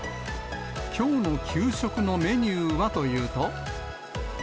きょうの給食のメニューはというと。